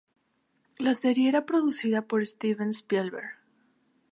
La serie es producida por Steven Spielberg.